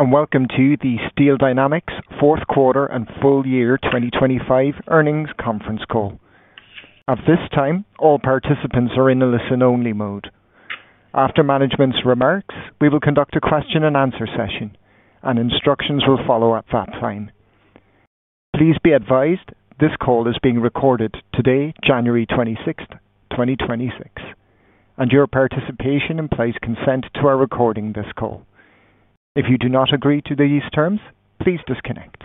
Welcome to the Steel Dynamics Fourth Quarter and Full Year 2025 Earnings Conference Call. At this time, all participants are in a listen-only mode. After management's remarks, we will conduct a question-and-answer session, and instructions will follow at that time. Please be advised this call is being recorded today, January 26th, 2026, and your participation implies consent to our recording this call. If you do not agree to these terms, please disconnect.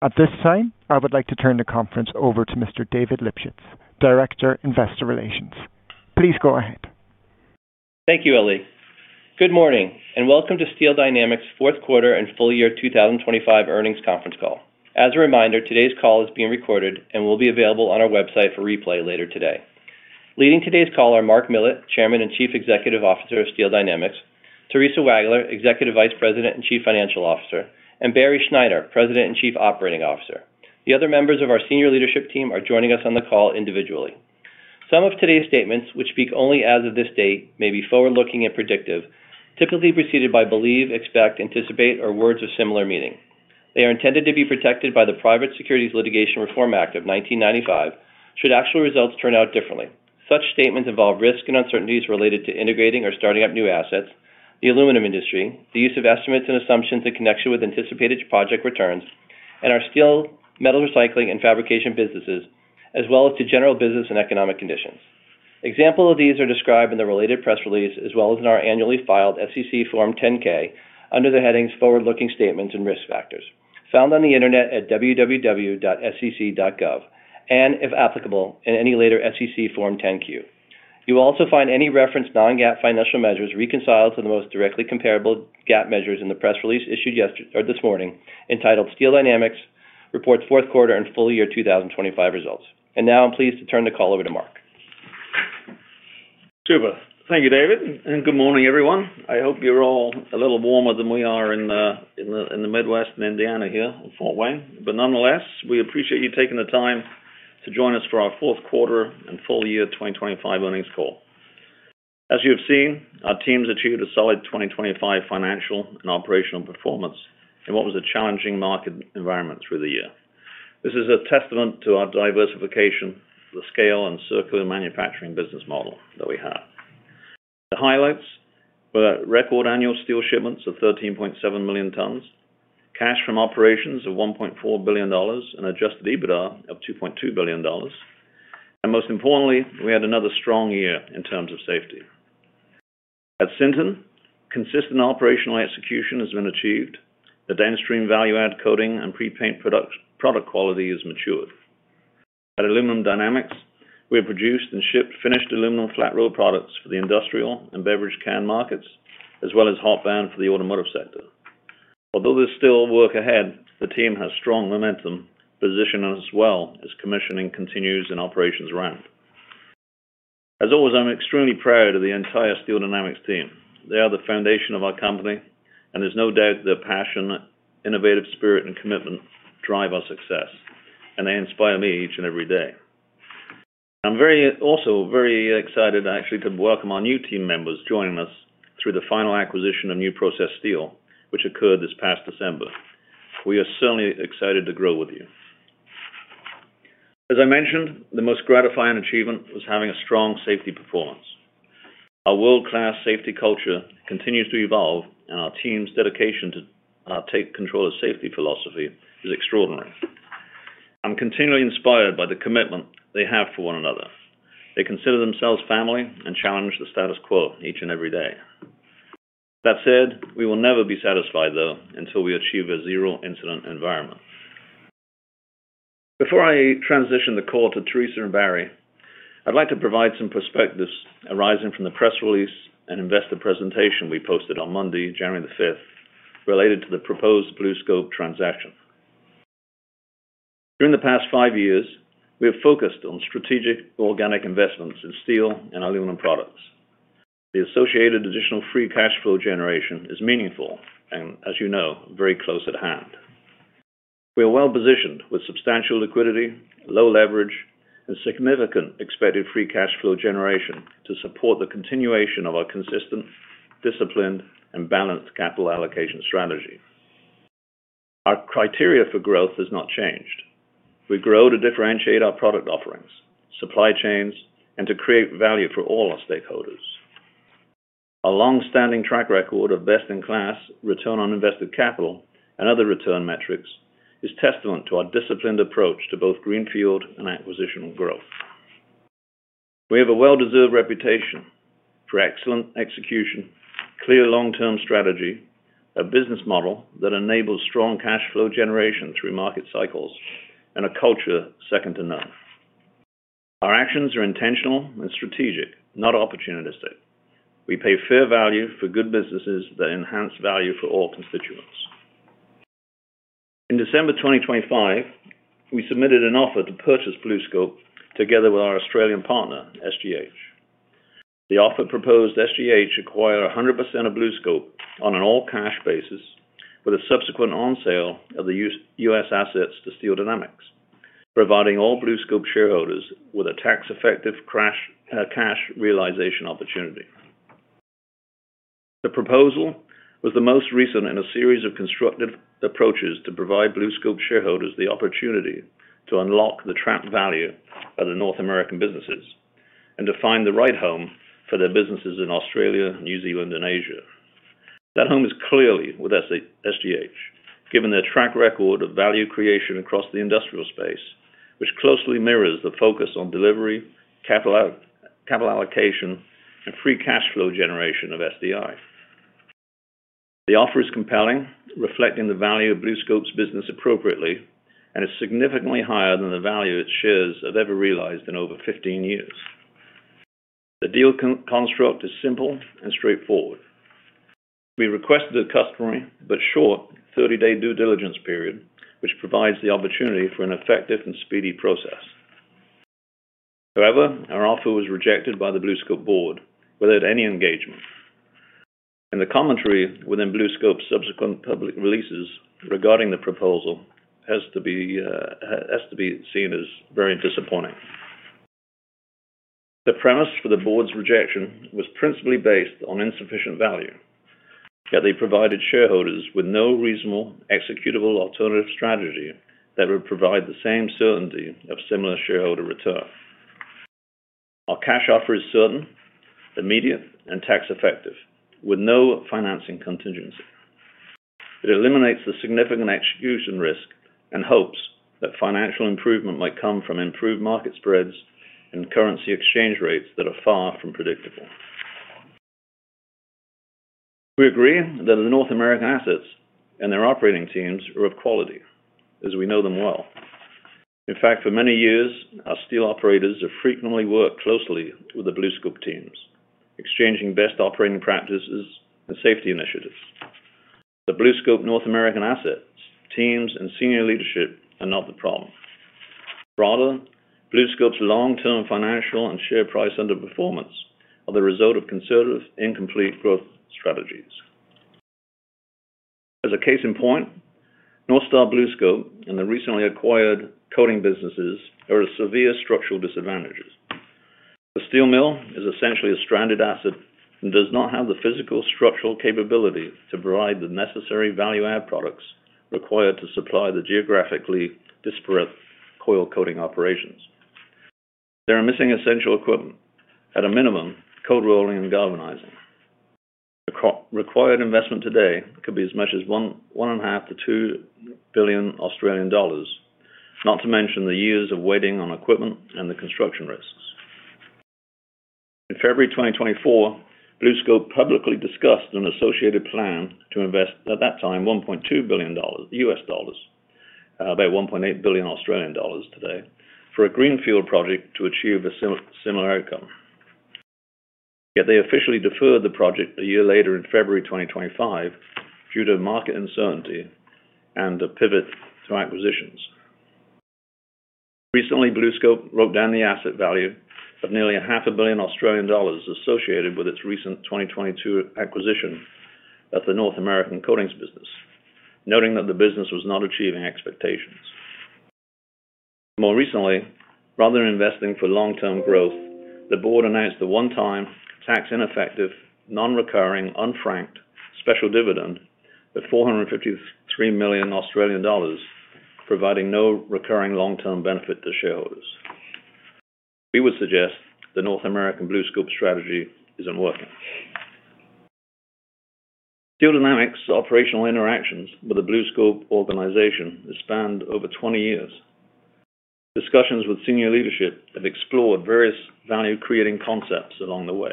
At this time, I would like to turn the conference over to Mr. David Lipschitz, Director, Investor Relations. Please go ahead. Thank you, Ellie. Good morning and welcome to Steel Dynamics Fourth Quarter and Full Year 2025 Earnings Conference Call. As a reminder, today's call is being recorded and will be available on our website for replay later today. Leading today's call are Mark Millett, Chairman and Chief Executive Officer of Steel Dynamics; Theresa Wagler, Executive Vice President and Chief Financial Officer; and Barry Schneider, President and Chief Operating Officer. The other members of our senior leadership team are joining us on the call individually. Some of today's statements, which speak only as of this date, may be forward-looking and predictive, typically preceded by believe, expect, anticipate, or words of similar meaning. They are intended to be protected by the Private Securities Litigation Reform Act of 1995 should actual results turn out differently. Such statements involve risk and uncertainties related to integrating or starting up new assets, the aluminum industry, the use of estimates and assumptions in connection with anticipated project returns, and our steel, metal recycling, and fabrication businesses, as well as to general business and economic conditions. Examples of these are described in the related press release as well as in our annually filed SEC Form 10-K under the headings Forward-Looking Statements and Risk Factors, found on the internet at www.sec.gov and, if applicable, in any later SEC Form 10-Q. You will also find any referenced non-GAAP financial measures reconciled to the most directly comparable GAAP measures in the press release issued this morning entitled Steel Dynamics Reports Fourth Quarter and Full Year 2025 Results. Now I'm pleased to turn the call over to Mark. Super. Thank you, David, and good morning, everyone. I hope you're all a little warmer than we are in the Midwest and Indiana here in Fort Wayne. Nonetheless, we appreciate you taking the time to join us for our fourth quarter and full year 2025 earnings call. As you've seen, our teams achieved a solid 2025 financial and operational performance in what was a challenging market environment through the year. This is a testament to our diversification, the scale, and circular manufacturing business model that we have. The highlights were record annual steel shipments of 13.7 million tons, cash from operations of $1.4 billion and Adjusted EBITDA of $2.2 billion, and most importantly, we had another strong year in terms of safety. At Sinton, consistent operational execution has been achieved. The downstream value-add coating and prepaint product quality has matured. At Aluminum Dynamics, we have produced and shipped finished aluminum flat roll products for the industrial and beverage can markets, as well as hot band for the automotive sector. Although there's still work ahead, the team has strong momentum positioned as well as commissioning continues in operations around. As always, I'm extremely proud of the entire Steel Dynamics team. They are the foundation of our company, and there's no doubt their passion, innovative spirit, and commitment drive our success, and they inspire me each and every day. I'm also very excited, actually, to welcome our new team members joining us through the final acquisition of New Process Steel, which occurred this past December. We are certainly excited to grow with you. As I mentioned, the most gratifying achievement was having a strong safety performance. Our world-class safety culture continues to evolve, and our team's dedication to take control of safety philosophy is extraordinary. I'm continually inspired by the commitment they have for one another. They consider themselves family and challenge the status quo each and every day. That said, we will never be satisfied, though, until we achieve a zero-incident environment. Before I transition the call to Theresa and Barry, I'd like to provide some perspectives arising from the press release and investor presentation we posted on Monday, January 5th, related to the proposed BlueScope transaction. During the past five years, we have focused on strategic organic investments in steel and aluminum products. The associated additional free cash flow generation is meaningful and, as you know, very close at hand. We are well positioned with substantial liquidity, low leverage, and significant expected free cash flow generation to support the continuation of our consistent, disciplined, and balanced capital allocation strategy. Our criteria for growth has not changed. We grow to differentiate our product offerings, supply chains, and to create value for all our stakeholders. Our long-standing track record of best-in-class return on invested capital and other return metrics is testament to our disciplined approach to both greenfield and acquisition growth. We have a well-deserved reputation for excellent execution, clear long-term strategy, a business model that enables strong cash flow generation through market cycles, and a culture second to none. Our actions are intentional and strategic, not opportunistic. We pay fair value for good businesses that enhance value for all constituents. In December 2025, we submitted an offer to purchase BlueScope together with our Australian partner, SGH. The offer proposed SGH acquire 100% of BlueScope on an all-cash basis with a subsequent on-sale of the U.S. assets to Steel Dynamics, providing all BlueScope shareholders with a tax-effective cash realization opportunity. The proposal was the most recent in a series of constructive approaches to provide BlueScope shareholders the opportunity to unlock the trapped value of the North American businesses and to find the right home for their businesses in Australia, New Zealand, and Asia. That home is clearly with SGH, given their track record of value creation across the industrial space, which closely mirrors the focus on delivery, capital allocation, and free cash flow generation of SDI. The offer is compelling, reflecting the value of BlueScope's business appropriately, and is significantly higher than the value its shares have ever realized in over 15 years. The deal construct is simple and straightforward. We requested a customary but short 30-day due diligence period, which provides the opportunity for an effective and speedy process. However, our offer was rejected by the BlueScope board without any engagement. The commentary within BlueScope's subsequent public releases regarding the proposal has to be seen as very disappointing. The premise for the board's rejection was principally based on insufficient value, yet they provided shareholders with no reasonable executable alternative strategy that would provide the same certainty of similar shareholder return. Our cash offer is certain, immediate, and tax-effective, with no financing contingency. It eliminates the significant execution risk and hopes that financial improvement might come from improved market spreads and currency exchange rates that are far from predictable. We agree that the North American assets and their operating teams are of quality, as we know them well. In fact, for many years, our steel operators have frequently worked closely with the BlueScope teams, exchanging best operating practices and safety initiatives. The BlueScope North American assets, teams, and senior leadership are not the problem. Rather, BlueScope's long-term financial and share price underperformance are the result of conservative, incomplete growth strategies. As a case in point, North Star BlueScope and the recently acquired coating businesses are at severe structural disadvantages. The steel mill is essentially a stranded asset and does not have the physical structural capability to provide the necessary value-add products required to supply the geographically disparate coil coating operations. They are missing essential equipment, at a minimum, cold rolling and galvanizing. The required investment today could be as much as 1.5 billion-2 billion Australian dollars, not to mention the years of waiting on equipment and the construction risks. In February 2024, BlueScope publicly discussed an associated plan to invest, at that time, $1.2 billion, about 1.8 billion Australian dollars today, for a greenfield project to achieve a similar outcome. Yet they officially deferred the project a year later in February 2025 due to market uncertainty and a pivot to acquisitions. Recently, BlueScope wrote down the asset value of nearly 500 million Australian dollars associated with its recent 2022 acquisition of the North American coatings business, noting that the business was not achieving expectations. More recently, rather than investing for long-term growth, the board announced a one-time, tax-ineffective, non-recurring, unfranked special dividend of 453 million Australian dollars, providing no recurring long-term benefit to shareholders. We would suggest the North American BlueScope strategy isn't working. Steel Dynamics' operational interactions with the BlueScope organization spanned over 20 years. Discussions with senior leadership have explored various value-creating concepts along the way.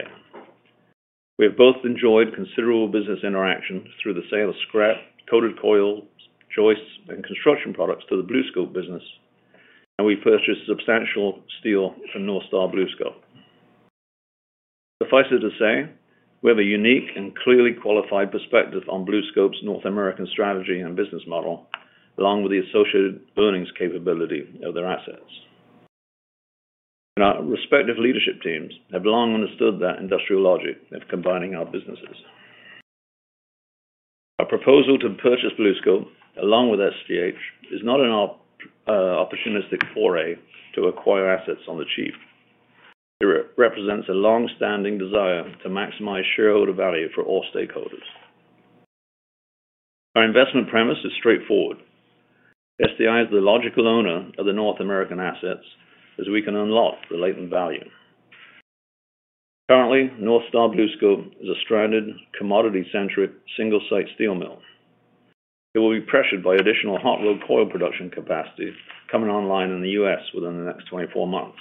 We have both enjoyed considerable business interaction through the sale of scrap, coated coils, joists, and construction products to the BlueScope business, and we've purchased substantial steel from North Star BlueScope. Suffice it to say, we have a unique and clearly qualified perspective on BlueScope's North American strategy and business model, along with the associated earnings capability of their assets. Our respective leadership teams have long understood that industrial logic of combining our businesses. Our proposal to purchase BlueScope, along with SGH, is not an opportunistic foray to acquire assets on the cheap. It represents a long-standing desire to maximize shareholder value for all stakeholders. Our investment premise is straightforward. SDI is the logical owner of the North American assets as we can unlock the latent value. Currently, North Star BlueScope is a stranded, commodity-centric single-site steel mill. It will be pressured by additional hot-rolled coil production capacity coming online in the U.S. within the next 24 months.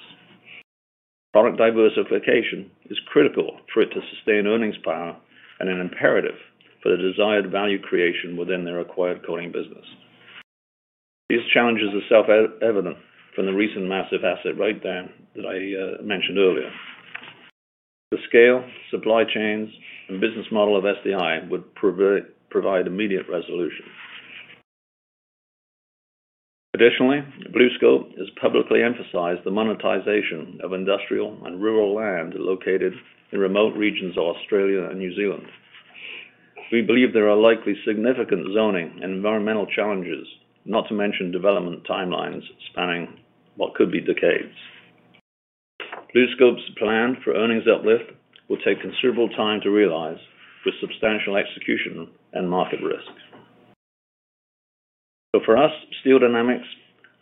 Product diversification is critical for it to sustain earnings power and an imperative for the desired value creation within their acquired coating business. These challenges are self-evident from the recent massive asset breakdown that I mentioned earlier. The scale, supply chains, and business model of SDI would provide immediate resolution. Additionally, BlueScope has publicly emphasized the monetization of industrial and rural land located in remote regions of Australia and New Zealand. We believe there are likely significant zoning and environmental challenges, not to mention development timelines spanning what could be decades. BlueScope's plan for earnings uplift will take considerable time to realize with substantial execution and market risks. For us, Steel Dynamics,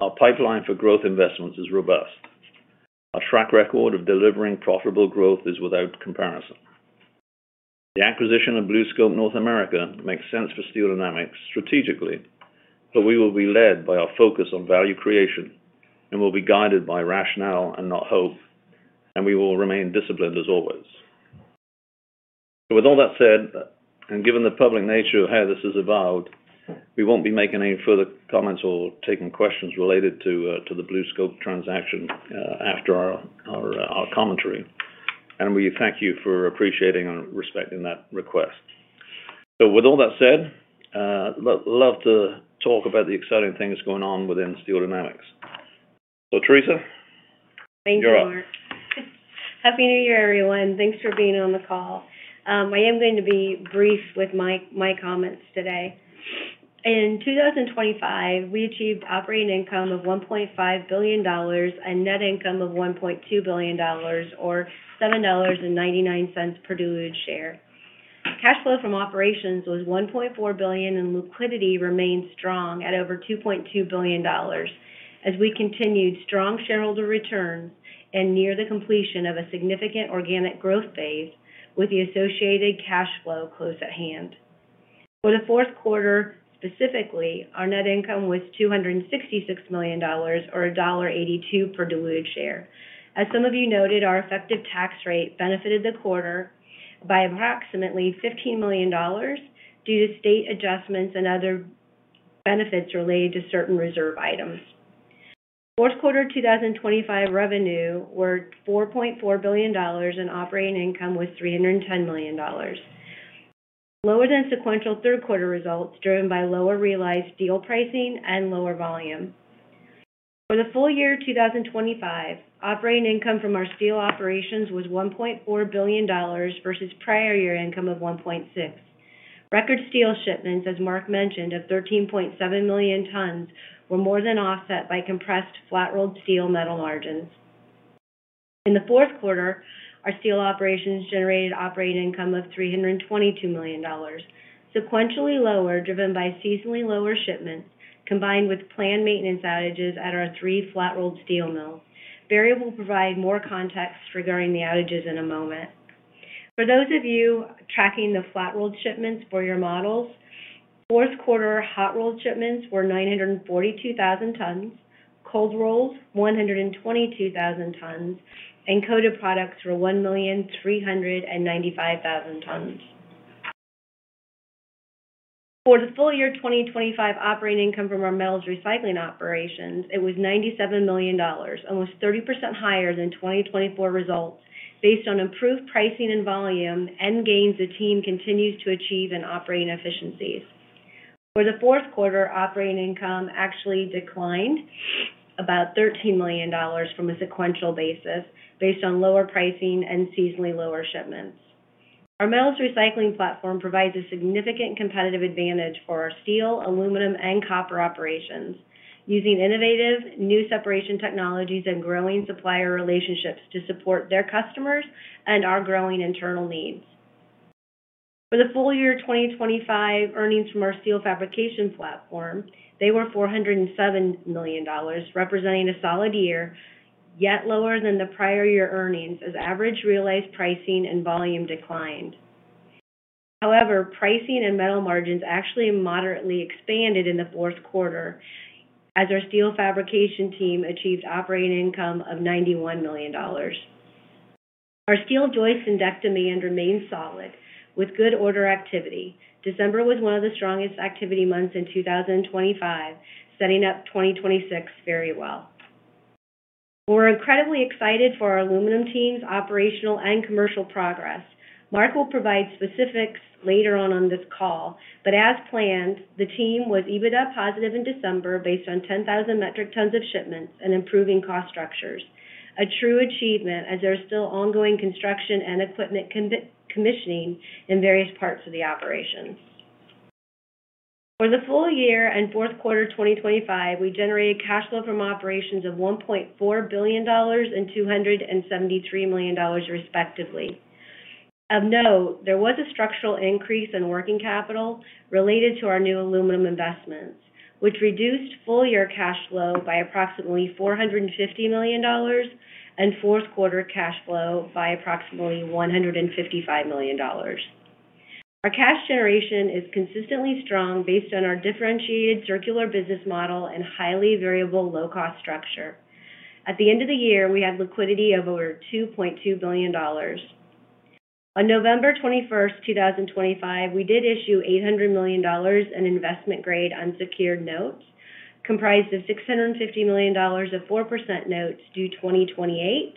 our pipeline for growth investments is robust. Our track record of delivering profitable growth is without comparison. The acquisition of BlueScope North America makes sense for Steel Dynamics strategically, but we will be led by our focus on value creation and will be guided by rationale and not hope, and we will remain disciplined as always. With all that said, and given the public nature of how this has evolved, we won't be making any further comments or taking questions related to the BlueScope transaction after our commentary, and we thank you for appreciating and respecting that request. With all that said, I'd love to talk about the exciting things going on within Steel Dynamics. So, Theresa. Thank you, Mark. Happy New Year, everyone. Thanks for being on the call. I am going to be brief with my comments today. In 2025, we achieved operating income of $1.5 billion and net income of $1.2 billion, or $7.99 per diluted share. Cash flow from operations was $1.4 billion, and liquidity remained strong at over $2.2 billion as we continued strong shareholder returns and near the completion of a significant organic growth phase with the associated cash flow close at hand. For the fourth quarter, specifically, our net income was $266 million, or $1.82 per diluted share. As some of you noted, our effective tax rate benefited the quarter by approximately $15 million due to state adjustments and other benefits related to certain reserve items. Fourth quarter 2025 revenue was $4.4 billion, and operating income was $310 million, lower than sequential third-quarter results driven by lower realized deal pricing and lower volume. For the full year 2025, operating income from our steel operations was $1.4 billion versus prior year income of $1.6. Record steel shipments, as Mark mentioned, of 13.7 million tons were more than offset by compressed flat-rolled steel metal margins. In the fourth quarter, our steel operations generated operating income of $322 million, sequentially lower driven by seasonally lower shipments combined with planned maintenance outages at our three flat-rolled steel mills. Barry will provide more context regarding the outages in a moment. For those of you tracking the flat-rolled shipments for your models, fourth quarter hot-rolled shipments were 942,000 tons, cold-rolled 122,000 tons, and coated products were 1,395,000 tons. For the full year 2025, operating income from our mills recycling operations, it was $97 million, almost 30% higher than 2024 results based on improved pricing and volume and gains the team continues to achieve in operating efficiencies. For the fourth quarter, operating income actually declined about $13 million from a sequential basis based on lower pricing and seasonally lower shipments. Our mills recycling platform provides a significant competitive advantage for our steel, aluminum, and copper operations, using innovative new separation technologies and growing supplier relationships to support their customers and our growing internal needs. For the full year 2025 earnings from our steel fabrication platform, they were $407 million, representing a solid year, yet lower than the prior year earnings as average realized pricing and volume declined. However, pricing and metal margins actually moderately expanded in the fourth quarter as our steel fabrication team achieved operating income of $91 million. Our steel joists and deck demand remained solid with good order activity. December was one of the strongest activity months in 2025, setting up 2026 very well. We're incredibly excited for our aluminum team's operational and commercial progress. Mark will provide specifics later on this call, but as planned, the team was EBITDA positive in December based on 10,000 metric tons of shipments and improving cost structures, a true achievement as there is still ongoing construction and equipment commissioning in various parts of the operations. For the full year and fourth quarter 2025, we generated cash flow from operations of $1.4 billion and $273 million, respectively. Of note, there was a structural increase in working capital related to our new aluminum investments, which reduced full year cash flow by approximately $450 million and fourth quarter cash flow by approximately $155 million. Our cash generation is consistently strong based on our differentiated circular business model and highly variable low-cost structure. At the end of the year, we had liquidity of over $2.2 billion. On November 21st, 2025, we did issue $800 million in investment-grade unsecured notes comprised of $650 million of 4% notes due 2028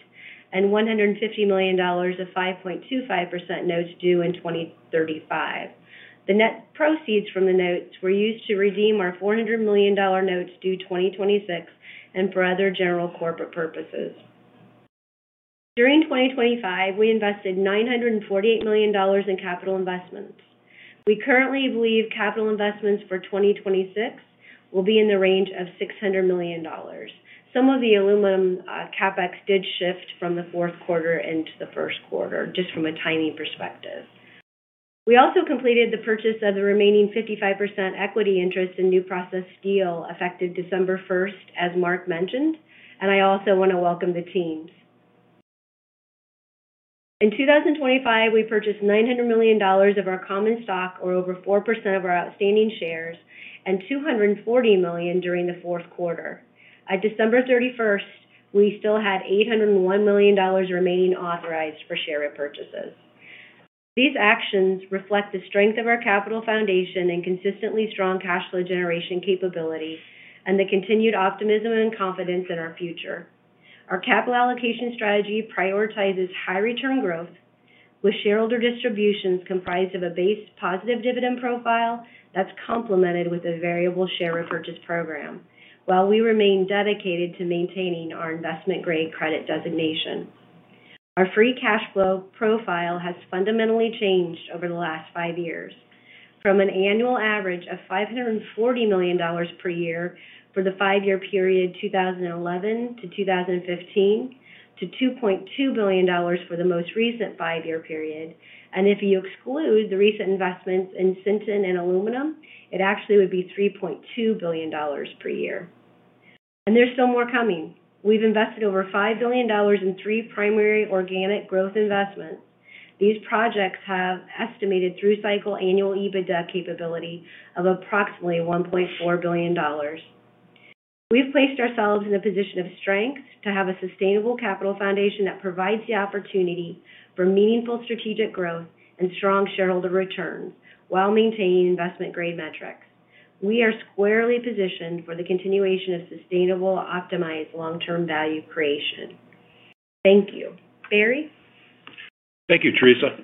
and $150 million of 5.25% notes due in 2035. The net proceeds from the notes were used to redeem our $400 million notes due 2026 and for other general corporate purposes. During 2025, we invested $948 million in capital investments. We currently believe capital investments for 2026 will be in the range of $600 million. Some of the aluminum CapEx did shift from the fourth quarter into the first quarter just from a timing perspective. We also completed the purchase of the remaining 55% equity interest in New Process Steel effective December 1st, as Mark mentioned, and I also want to welcome the teams. In 2025, we purchased $900 million of our common stock, or over 4% of our outstanding shares, and $240 million during the fourth quarter. At December 31st, we still had $801 million remaining authorized for share repurchases. These actions reflect the strength of our capital foundation and consistently strong cash flow generation capability and the continued optimism and confidence in our future. Our capital allocation strategy prioritizes high-return growth with shareholder distributions comprised of a base positive dividend profile that's complemented with a variable share repurchase program, while we remain dedicated to maintaining our investment-grade credit designation. Our free cash flow profile has fundamentally changed over the last five years from an annual average of $540 million per year for the five-year period 2011 to 2015 to $2.2 billion for the most recent five-year period. And if you exclude the recent investments in Sinton and aluminum, it actually would be $3.2 billion per year. There's still more coming. We've invested over $5 billion in three primary organic growth investments. These projects have estimated through-cycle annual EBITDA capability of approximately $1.4 billion. We've placed ourselves in a position of strength to have a sustainable capital foundation that provides the opportunity for meaningful strategic growth and strong shareholder returns while maintaining investment-grade metrics. We are squarely positioned for the continuation of sustainable, optimized long-term value creation. Thank you. Barry? Thank you, Theresa.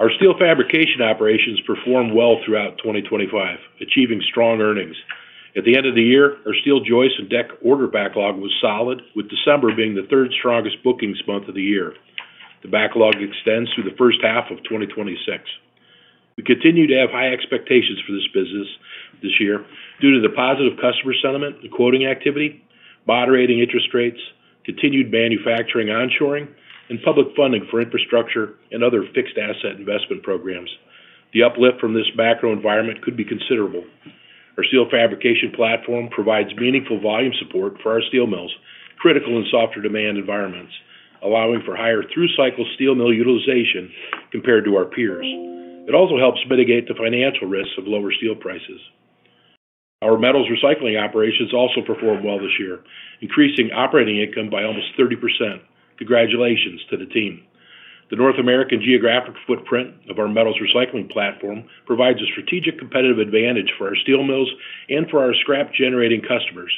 Our steel fabrication operations performed well throughout 2025, achieving strong earnings. At the end of the year, our steel joists and deck order backlog was solid, with December being the third strongest bookings month of the year. The backlog extends through the first half of 2026. We continue to have high expectations for this business this year due to the positive customer sentiment and quoting activity, moderating interest rates, continued manufacturing onshoring, and public funding for infrastructure and other fixed asset investment programs. The uplift from this macro environment could be considerable. Our steel fabrication platform provides meaningful volume support for our steel mills, critical in softer demand environments, allowing for higher through-cycle steel mill utilization compared to our peers. It also helps mitigate the financial risks of lower steel prices. Our metals recycling operations also performed well this year, increasing operating income by almost 30%. Congratulations to the team. The North American geographic footprint of our metals recycling platform provides a strategic competitive advantage for our steel mills and for our scrap-generating customers.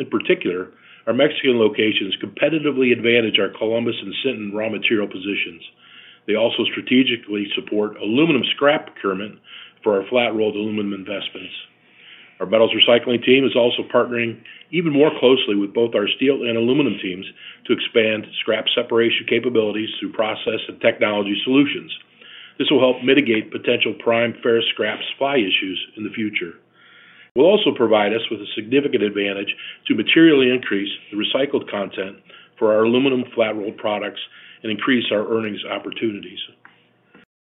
In particular, our Mexican locations competitively advantage our Columbus and Sinton raw material positions. They also strategically support aluminum scrap procurement for our flat-rolled aluminum investments. Our metals recycling team is also partnering even more closely with both our steel and aluminum teams to expand scrap separation capabilities through process and technology solutions. This will help mitigate potential prime grade scrap supply issues in the future. It will also provide us with a significant advantage to materially increase the recycled content for our aluminum flat-rolled products and increase our earnings opportunities.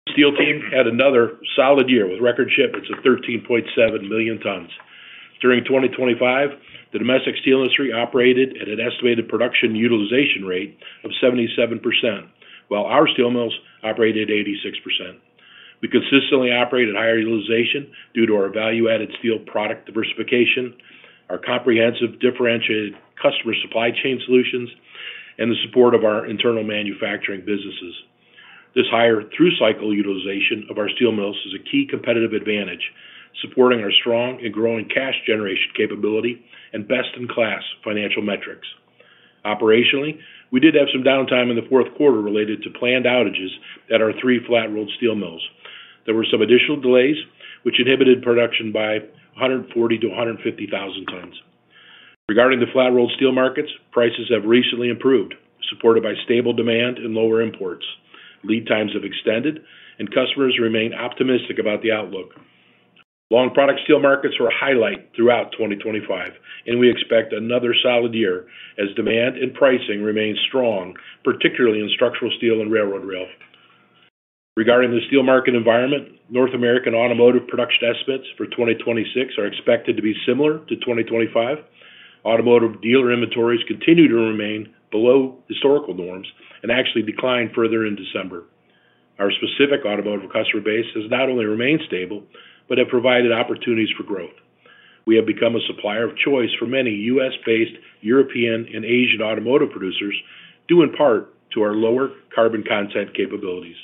The steel team had another solid year with record shipments of 13.7 million tons. During 2025, the domestic steel industry operated at an estimated production utilization rate of 77%, while our steel mills operated at 86%. We consistently operate at higher utilization due to our value-added steel product diversification, our comprehensive differentiated customer supply chain solutions, and the support of our internal manufacturing businesses. This higher through-cycle utilization of our steel mills is a key competitive advantage, supporting our strong and growing cash generation capability and best-in-class financial metrics. Operationally, we did have some downtime in the fourth quarter related to planned outages at our three flat-rolled steel mills. There were some additional delays, which inhibited production by 140,000-150,000 tons. Regarding the flat-rolled steel markets, prices have recently improved, supported by stable demand and lower imports. Lead times have extended, and customers remain optimistic about the outlook. Long-product steel markets were a highlight throughout 2025, and we expect another solid year as demand and pricing remain strong, particularly in structural steel and railroad rail. Regarding the steel market environment, North American automotive production estimates for 2026 are expected to be similar to 2025. Automotive dealer inventories continue to remain below historical norms and actually declined further in December. Our specific automotive customer base has not only remained stable but has provided opportunities for growth. We have become a supplier of choice for many U.S.-based, European, and Asian automotive producers due in part to our lower carbon content capabilities.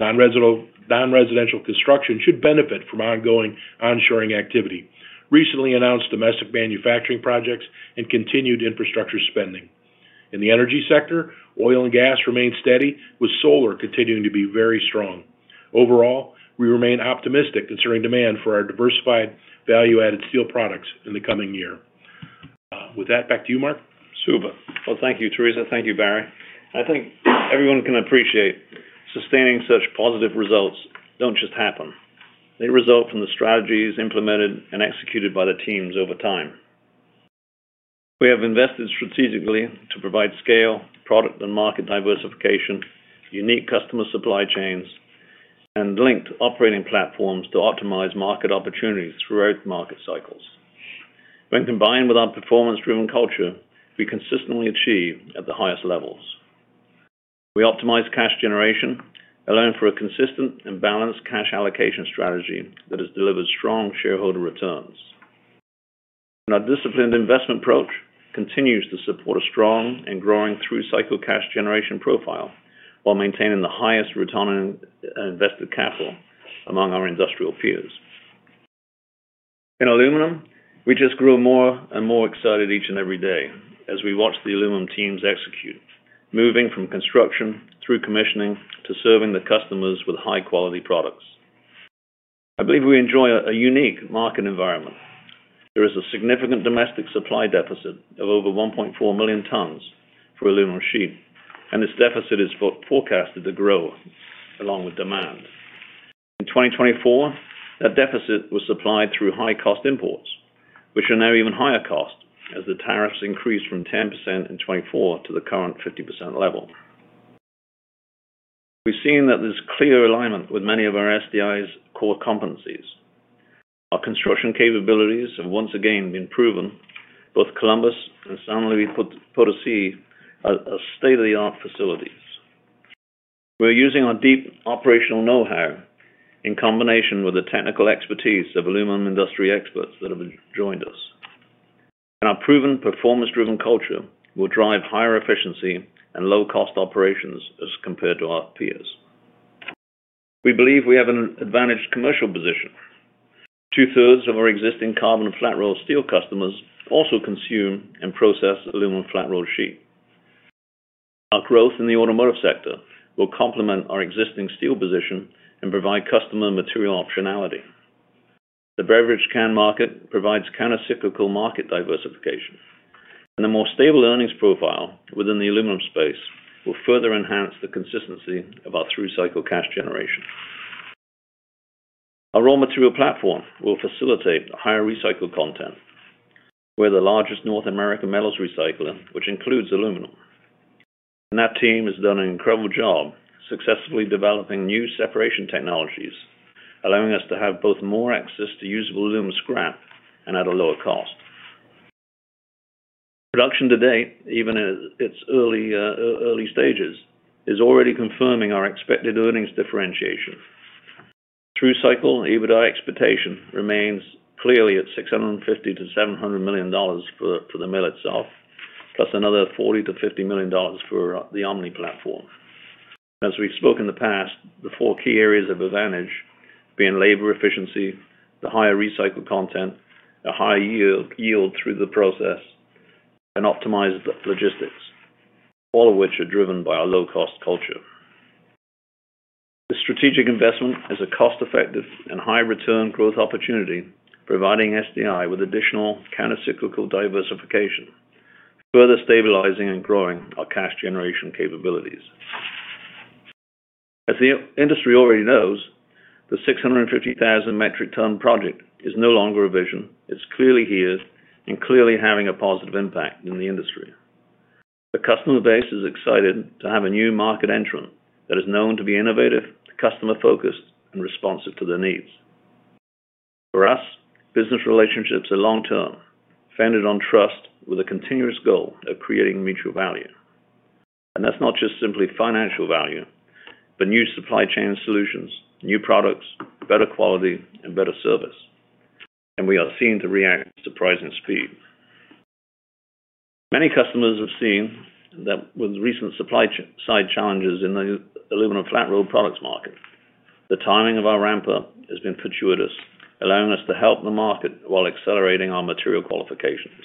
Non-residential construction should benefit from ongoing onshoring activity, recently announced domestic manufacturing projects, and continued infrastructure spending. In the energy sector, oil and gas remain steady, with solar continuing to be very strong. Overall, we remain optimistic concerning demand for our diversified value-added steel products in the coming year. With that, back to you, Mark. Super. Well, thank you, Theresa. Thank you, Barry. I think everyone can appreciate sustaining such positive results don't just happen. They result from the strategies implemented and executed by the teams over time. We have invested strategically to provide scale, product, and market diversification, unique customer supply chains, and linked operating platforms to optimize market opportunities throughout market cycles. When combined with our performance-driven culture, we consistently achieve at the highest levels. We optimize cash generation allowing for a consistent and balanced cash allocation strategy that has delivered strong shareholder returns. Our disciplined investment approach continues to support a strong and growing through-cycle cash generation profile while maintaining the highest return on invested capital among our industrial peers. In aluminum, we just grow more and more excited each and every day as we watch the aluminum teams execute, moving from construction through commissioning to serving the customers with high-quality products. I believe we enjoy a unique market environment. There is a significant domestic supply deficit of over 1.4 million tons for aluminum sheet, and this deficit is forecasted to grow along with demand. In 2024, that deficit was supplied through high-cost imports, which are now even higher cost as the tariffs increased from 10% in 2024 to the current 50% level. We've seen that there's clear alignment with many of our SDI's core competencies. Our construction capabilities have once again been proven, both Columbus and San Luis Potosí are state-of-the-art facilities. We're using our deep operational know-how in combination with the technical expertise of aluminum industry experts that have joined us. Our proven performance-driven culture will drive higher efficiency and low-cost operations as compared to our peers. We believe we have an advantaged commercial position. Two-thirds of our existing carbon flat-rolled steel customers also consume and process aluminum flat-rolled sheet. Our growth in the automotive sector will complement our existing steel position and provide customer material optionality. The beverage can market provides countercyclical market diversification. The more stable earnings profile within the aluminum space will further enhance the consistency of our through-cycle cash generation. Our raw material platform will facilitate higher recycled content. We're the largest North American metals recycler, which includes aluminum. That team has done an incredible job successfully developing new separation technologies, allowing us to have both more access to usable aluminum scrap and at a lower cost. Production today, even in its early stages, is already confirming our expected earnings differentiation. Through-cycle EBITDA expectation remains clearly at $650 million-$700 million for the mill itself, plus another $40 million-$50 million for the Omni platform. As we've spoken in the past, the four key areas of advantage being labor efficiency, the higher recycled content, a higher yield through the process, and optimized logistics, all of which are driven by our low-cost culture. The strategic investment is a cost-effective and high-return growth opportunity, providing SDI with additional countercyclical diversification, further stabilizing and growing our cash generation capabilities. As the industry already knows, the 650,000 metric ton project is no longer a vision. It's clearly here and clearly having a positive impact in the industry. The customer base is excited to have a new market entrant that is known to be innovative, customer-focused, and responsive to their needs. For us, business relationships are long-term, founded on trust, with a continuous goal of creating mutual value. And that's not just simply financial value, but new supply chain solutions, new products, better quality, and better service. And we are seeing the reaction at surprising speed. Many customers have seen that with recent supply-side challenges in the aluminum flat-rolled products market, the timing of our ramp-up has been fortuitous, allowing us to help the market while accelerating our material qualifications.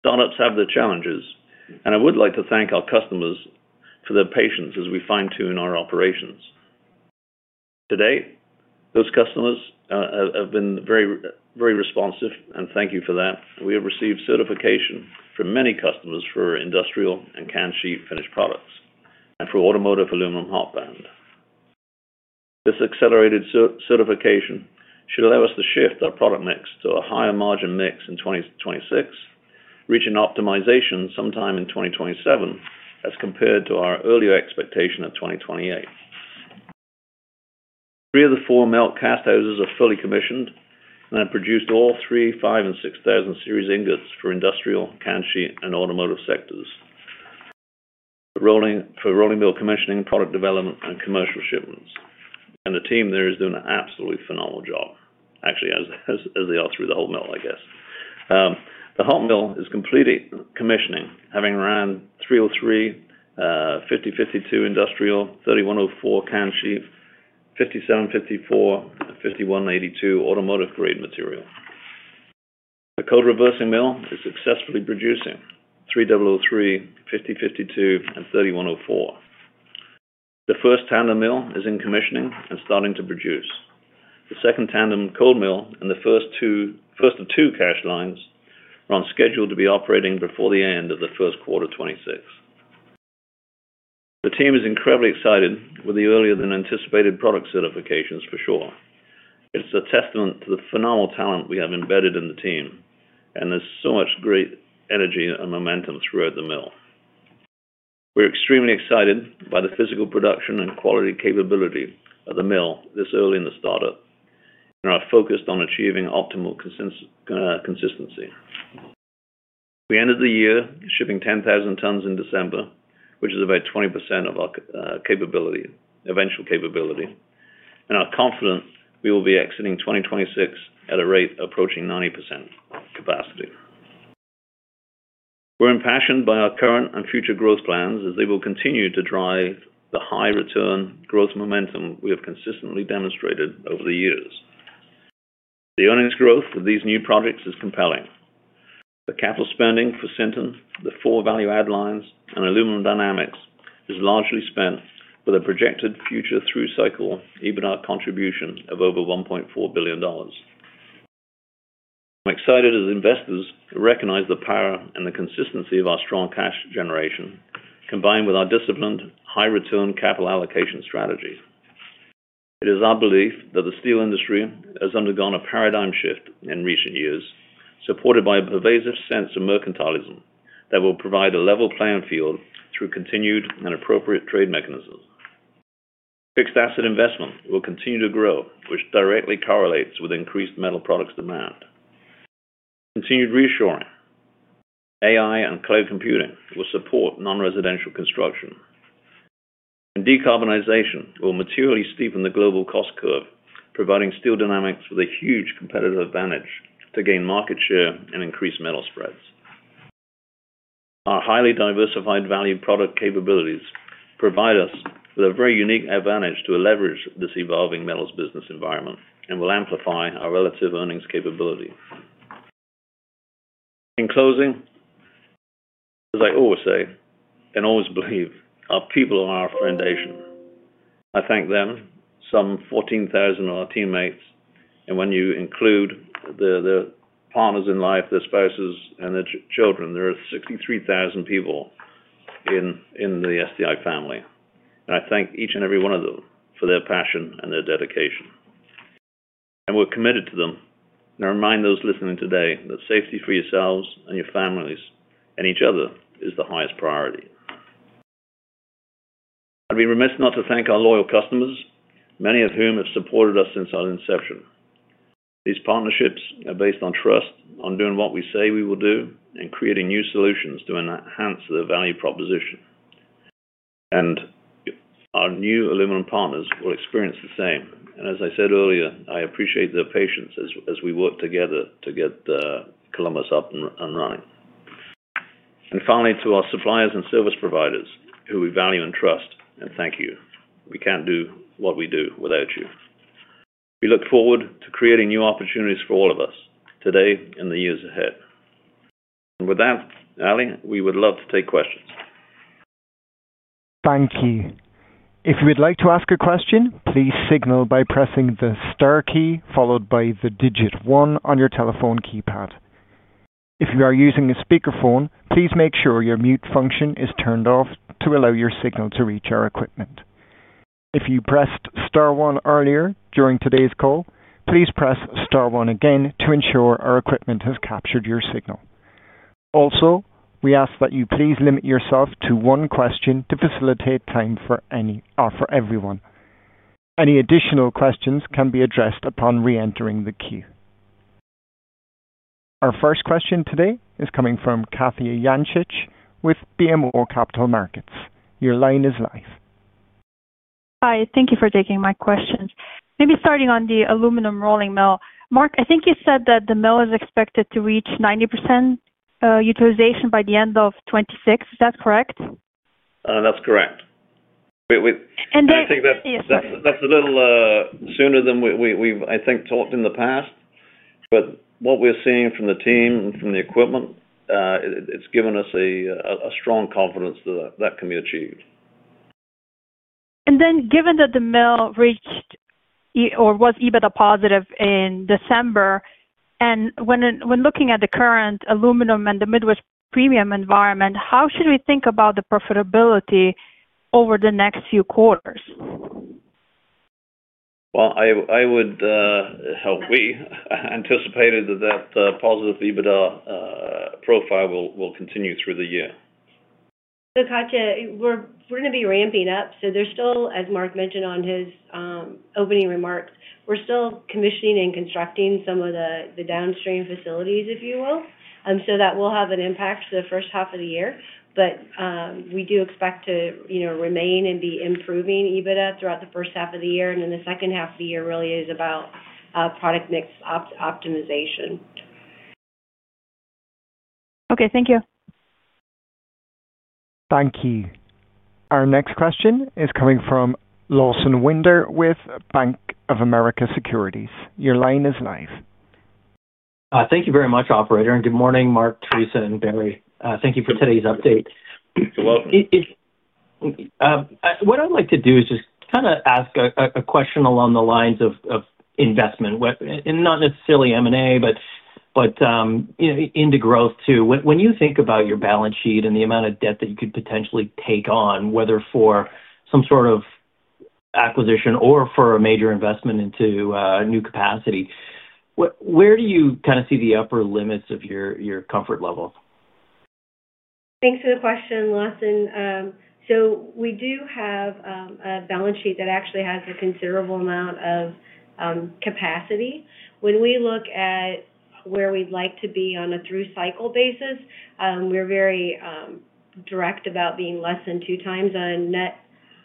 Startups have their challenges, and I would like to thank our customers for their patience as we fine-tune our operations. Today, those customers have been very responsive, and thank you for that. We have received certification from many customers for industrial and can sheet finished products and for automotive aluminum hot band. This accelerated certification should allow us to shift our product mix to a higher margin mix in 2026, reaching optimization sometime in 2027 as compared to our earlier expectation of 2028. Three of the four mill cast houses are fully commissioned and have produced all 3,000, 5,000, and 6,000 series ingots for industrial, can sheet, and automotive sectors, for rolling mill commissioning, product development, and commercial shipments. And the team there is doing an absolutely phenomenal job, actually, as they are through the whole mill, I guess. The hot mill is completely commissioning, having around 3003, 5052 industrial, 3104 can sheet, 5754, and 5182 automotive-grade material. The cold reversing mill is successfully producing 3003, 5052, and 3104. The first tandem mill is in commissioning and starting to produce. The second tandem cold mill and the first of two CASH lines are on schedule to be operating before the end of the first quarter of 2026. The team is incredibly excited with the earlier-than-anticipated product certifications, for sure. It's a testament to the phenomenal talent we have embedded in the team, and there's so much great energy and momentum throughout the mill. We're extremely excited by the physical production and quality capability of the mill this early in the startup, and our focus on achieving optimal consistency. We ended the year shipping 10,000 tons in December, which is about 20% of our eventual capability. I'm confident we will be exiting 2026 at a rate approaching 90% capacity. We're impassioned by our current and future growth plans as they will continue to drive the high-return growth momentum we have consistently demonstrated over the years. The earnings growth of these new projects is compelling. The capital spending for Sinton, the four value-add lines, and Aluminum Dynamics is largely spent with a projected future through-cycle EBITDA contribution of over $1.4 billion. I'm excited as investors recognize the power and the consistency of our strong cash generation, combined with our disciplined high-return capital allocation strategy. It is our belief that the steel industry has undergone a paradigm shift in recent years, supported by a pervasive sense of mercantilism that will provide a level playing field through continued and appropriate trade mechanisms. Fixed asset investment will continue to grow, which directly correlates with increased metal products demand. Continued reshoring AI and cloud computing will support non-residential construction. Decarbonization will materially steepen the global cost curve, providing Steel Dynamics with a huge competitive advantage to gain market share and increase metal spreads. Our highly diversified value product capabilities provide us with a very unique advantage to leverage this evolving metals business environment and will amplify our relative earnings capability. In closing, as I always say and always believe, our people are our foundation. I thank them, some 14,000 of our teammates, and when you include the partners in life, their spouses, and their children, there are 63,000 people in the SDI family. I thank each and every one of them for their passion and their dedication. We're committed to them. I remind those listening today that safety for yourselves and your families and each other is the highest priority. I'd be remiss not to thank our loyal customers, many of whom have supported us since our inception. These partnerships are based on trust, on doing what we say we will do, and creating new solutions to enhance the value proposition. And our new aluminum partners will experience the same. And as I said earlier, I appreciate their patience as we work together to get Columbus up and running. And finally, to our suppliers and service providers who we value and trust, and thank you. We can't do what we do without you. We look forward to creating new opportunities for all of us today and the years ahead. And with that, Ellie, we would love to take questions. Thank you. If you would like to ask a question, please signal by pressing the star key followed by the digit one on your telephone keypad. If you are using a speakerphone, please make sure your mute function is turned off to allow your signal to reach our equipment. If you pressed star one earlier during today's call, please press star one again to ensure our equipment has captured your signal. Also, we ask that you please limit yourself to one question to facilitate time for everyone. Any additional questions can be addressed upon re-entering the queue. Our first question today is coming from Katja Jancic with BMO Capital Markets. Your line is live. Hi. Thank you for taking my questions. Maybe starting on the aluminum rolling mill. Mark, I think you said that the mill is expected to reach 90% utilization by the end of 2026. Is that correct? That's correct. And that's a little sooner than we've, I think, talked in the past. But what we're seeing from the team and from the equipment, it's given us a strong confidence that that can be achieved. And then, given that the mill reached or was EBITDA positive in December, and when looking at the current aluminum and the Midwest premium environment, how should we think about the profitability over the next few quarters? Well, I would hope we anticipated that that positive EBITDA profile will continue through the year. So, Katja, we're going to be ramping up. So there's still, as Mark mentioned on his opening remarks, we're still commissioning and constructing some of the downstream facilities, if you will. And so that will have an impact the first half of the year. But we do expect to remain and be improving EBITDA throughout the first half of the year. And then the second half of the year really is about product mix optimization. Okay. Thank you. Thank you. Our next question is coming from Lawson Winder with Bank of America Securities. Your line is live. Thank you very much, operator. Good morning, Mark, Theresa, and Barry. Thank you for today's update. You're welcome. What I'd like to do is just kind of ask a question along the lines of investment, and not necessarily M&A, but into growth too. When you think about your balance sheet and the amount of debt that you could potentially take on, whether for some sort of acquisition or for a major investment into new capacity, where do you kind of see the upper limits of your comfort level? Thanks for the question, Lawson. So we do have a balance sheet that actually has a considerable amount of capacity. When we look at where we'd like to be on a through-cycle basis, we're very direct about being less than 2x on net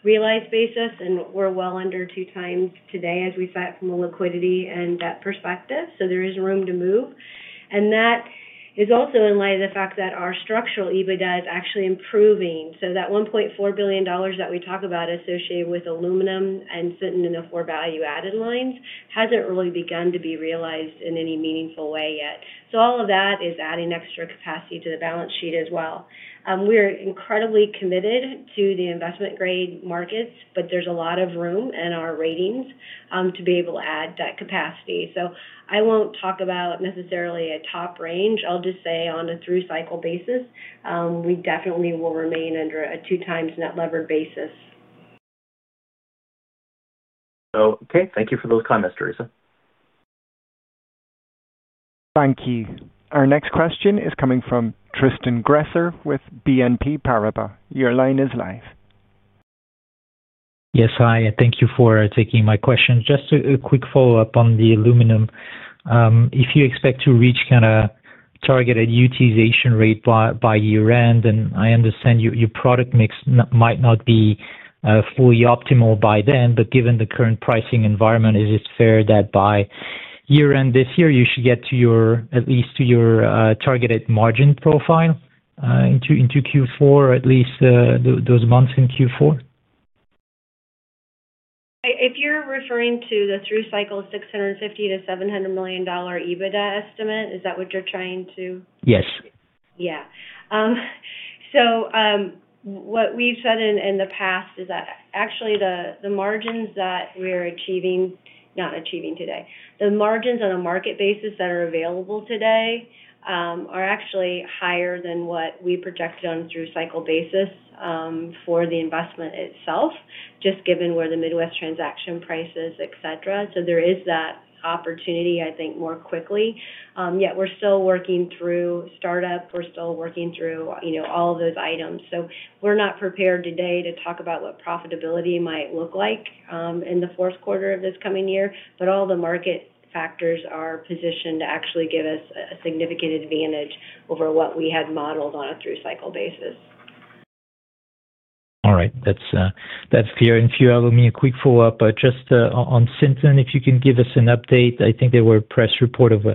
realized basis, and we're well under 2x today as we stand from a liquidity and debt perspective. There is room to move. That is also in light of the fact that our structural EBITDA is actually improving. That $1.4 billion that we talk about associated with aluminum and sitting in the four value-added lines hasn't really begun to be realized in any meaningful way yet. All of that is adding extra capacity to the balance sheet as well. We are incredibly committed to the investment-grade markets, but there's a lot of room in our ratings to be able to add that capacity. I won't talk about necessarily a top range. I'll just say on a through-cycle basis, we definitely will remain under a 2x net levered basis. Okay. Thank you for those comments, Theresa. Thank you. Our next question is coming from Tristan Gresser with BNP Paribas. Your line is live. Yes, hi. Thank you for taking my question. Just a quick follow-up on the aluminum. If you expect to reach kind of targeted utilization rate by year-end, and I understand your product mix might not be fully optimal by then, but given the current pricing environment, is it fair that by year-end this year, you should get to at least to your targeted margin profile into Q4, at least those months in Q4? If you're referring to the through-cycle $650 million-$700 million EBITDA estimate, is that what you're trying to? Yes. Yeah. So what we've said in the past is that actually the margins that we're achieving, not achieving today, the margins on a market basis that are available today are actually higher than what we projected on a through-cycle basis for the investment itself, just given where the Midwest transaction price is, etc. So there is that opportunity, I think, more quickly. Yet we're still working through startup. We're still working through all of those items. So we're not prepared today to talk about what profitability might look like in the fourth quarter of this coming year, but all the market factors are positioned to actually give us a significant advantage over what we had modeled on a through-cycle basis. All right. That's clear. And if you allow me a quick follow-up, just on Sinton, if you can give us an update. I think there were a press report of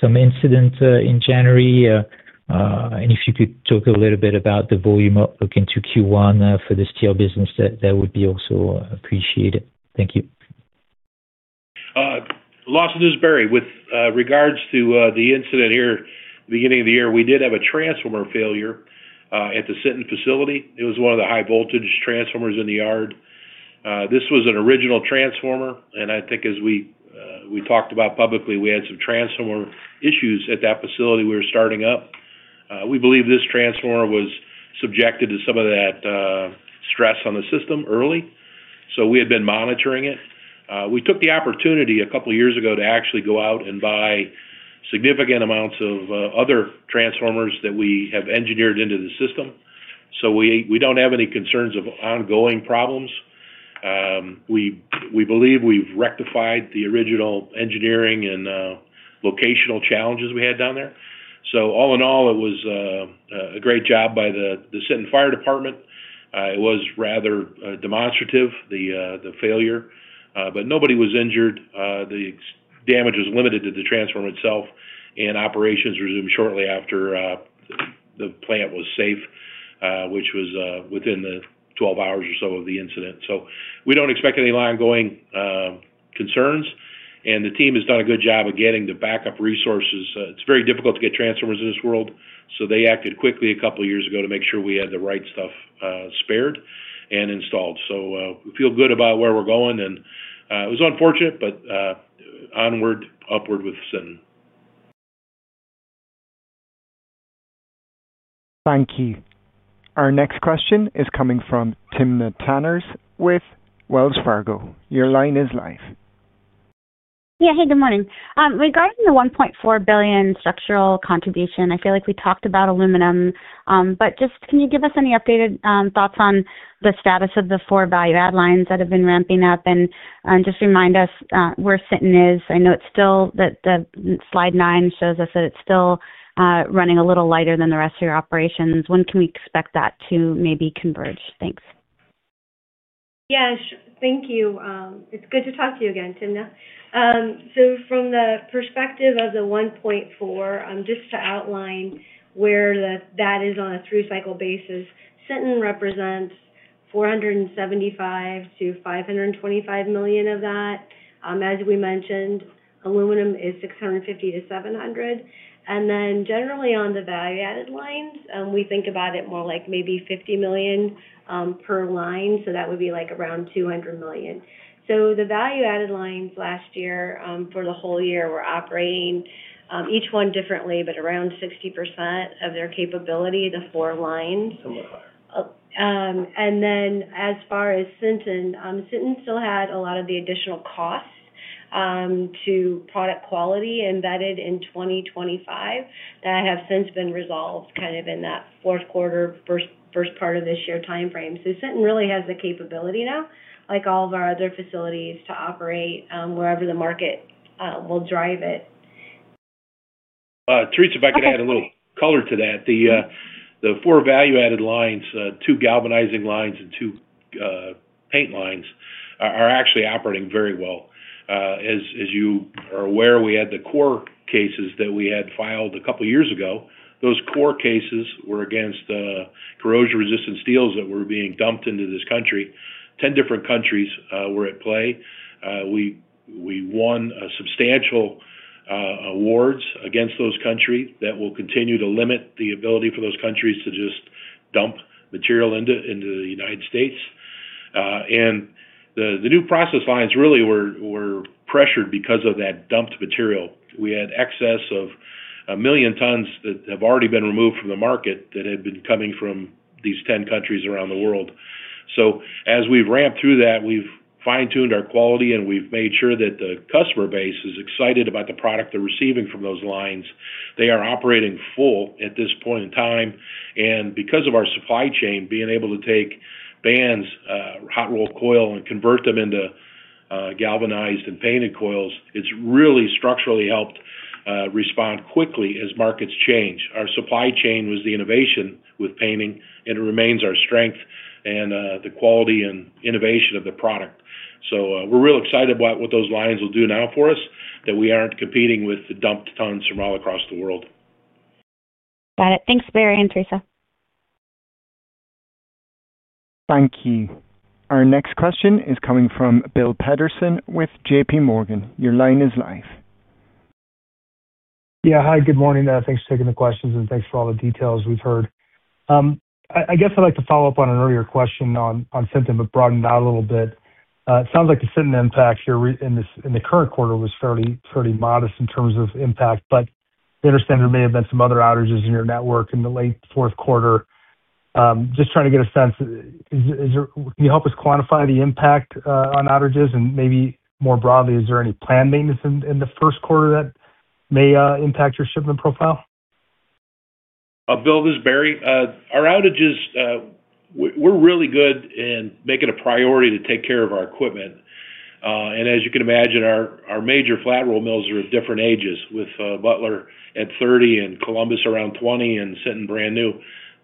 some incident in January. And if you could talk a little bit about the volume up into Q1 for the steel business, that would be also appreciated. Thank you. Lawson this is Barry. With regards to the incident here at the beginning of the year, we did have a transformer failure at the Sinton facility. It was one of the high-voltage transformers in the yard. This was an original transformer. And I think as we talked about publicly, we had some transformer issues at that facility we were starting up. We believe this transformer was subjected to some of that stress on the system early. So we had been monitoring it. We took the opportunity a couple of years ago to actually go out and buy significant amounts of other transformers that we have engineered into the system. So we don't have any concerns of ongoing problems. We believe we've rectified the original engineering and locational challenges we had down there. So all in all, it was a great job by the Sinton Fire Department. It was rather demonstrative, the failure. But nobody was injured. The damage was limited to the transformer itself. And operations resumed shortly after the plant was safe, which was within the 12 hours or so of the incident. So we don't expect any ongoing concerns. And the team has done a good job of getting the backup resources. It's very difficult to get transformers in this world. So they acted quickly a couple of years ago to make sure we had the right stuff spared and installed. So we feel good about where we're going. And it was unfortunate, but onward, upward with Sinton. Thank you. Our next question is coming from Timna Tanners with Wells Fargo. Your line is live. Yeah. Hey, good morning. Regarding the $1.4 billion structural contribution, I feel like we talked about aluminum. But just can you give us any updated thoughts on the status of the four value-add lines that have been ramping up? And just remind us where Sinton is. I know it's still that the slide nine shows us that it's still running a little lighter than the rest of your operations. When can we expect that to maybe converge? Thanks. Yeah. Thank you. It's good to talk to you again, Timna. So from the perspective of the 1.4, just to outline where that is on a through-cycle basis, Sinton represents $475 million-$525 million of that. As we mentioned, aluminum is $650 million-$700 million. And then, generally on the value-added lines, we think about it more like maybe $50 million per line. So that would be like around $200 million. So the value-added lines last year for the whole year were operating each one differently, but around 60% of their capability, the four lines. Somewhat higher. And then as far as Sinton, Sinton still had a lot of the additional costs to product quality embedded in 2025 that have since been resolved kind of in that fourth quarter, first part of this year timeframe. So Sinton really has the capability now, like all of our other facilities, to operate wherever the market will drive it. Theresa, if I could add a little color to that. The four value-added lines, two galvanizing lines, and two paint lines are actually operating very well. As you are aware, we had the CORE cases that we had filed a couple of years ago. Those core cases were against corrosion-resistant steels that were being dumped into this country. 10 different countries were at play. We won substantial awards against those countries that will continue to limit the ability for those countries to just dump material into the United States. And the New Process lines really were pressured because of that dumped material. We had excess of 1 million tons that have already been removed from the market that had been coming from these 10 countries around the world. So as we've ramped through that, we've fine-tuned our quality, and we've made sure that the customer base is excited about the product they're receiving from those lines. They are operating full at this point in time. And because of our supply chain being able to take bands, hot rolled coil, and convert them into galvanized and painted coils, it's really structurally helped respond quickly as markets change. Our supply chain was the innovation with painting, and it remains our strength and the quality and innovation of the product. So we're real excited about what those lines will do now for us, that we aren't competing with the dumped tons from all across the world. Got it. Thanks, Barry and Theresa. Thank you. Our next question is coming from Bill Peterson with J.P. Morgan. Your line is live. Yeah. Hi. Good morning. Thanks for taking the questions, and thanks for all the details we've heard. I guess I'd like to follow up on an earlier question on Sinton, but broaden that a little bit. It sounds like the Sinton impact here in the current quarter was fairly modest in terms of impact, but I understand there may have been some other outages in your network in the late fourth quarter. Just trying to get a sense, can you help us quantify the impact on outages? And maybe more broadly, is there any planned maintenance in the first quarter that may impact your shipment profile? Bill, this is Barry. Our outages, we're really good in making a priority to take care of our equipment. As you can imagine, our major flat roll mills are of different ages, with Butler at 30 and Columbus around 20 and Sinton brand new.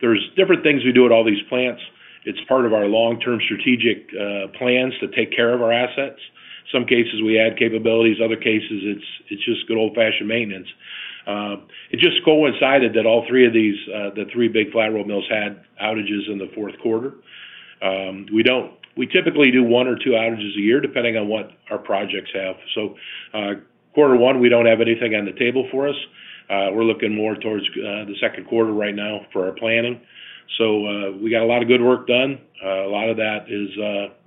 There's different things we do at all these plants. It's part of our long-term strategic plans to take care of our assets. In some cases, we add capabilities. In other cases, it's just good old-fashioned maintenance. It just coincided that all three of these, the three big flat roll mills, had outages in the fourth quarter. We typically do one or two outages a year, depending on what our projects have. So quarter one, we don't have anything on the table for us. We're looking more towards the second quarter right now for our planning. So we got a lot of good work done. A lot of that is,